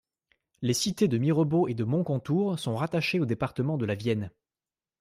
Les cités de Mirebeau et de Moncontour sont rattachées au département de la Vienne.